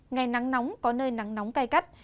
ngày nắng nóng có nơi nắng nóng cai cắt